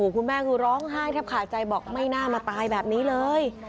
คุณแม่คือร้องไห้แทบขาดใจบอกไม่น่ามาตายแบบนี้เลย